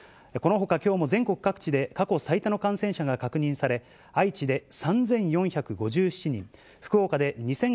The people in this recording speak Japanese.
このほか、きょうも全国各地で過去最多の感染者が確認され、愛知で３４５７